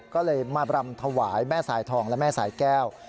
ก็เลยมารำถวายแม่สายทองและแม่สายแก้ว